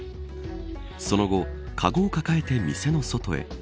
その後、かごを抱えて店の外へ。